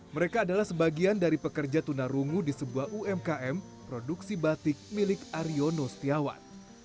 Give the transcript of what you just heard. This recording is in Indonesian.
mereka adalah sebagian dari pekerja tunarungu di sebuah umkm produksi batik milik aryono setiawan